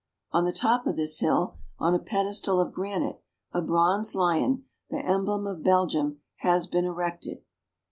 On the top of this hill, on a pedestal of granite, a bronze lion, the emblem of Belgium, has been erected.